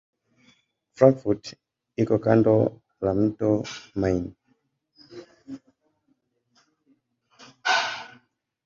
Frankfurt iko kando la mto Main.